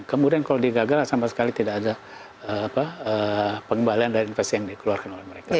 kemudian kalau dia gagal sama sekali tidak ada pengembalian dari investasi yang dikeluarkan oleh mereka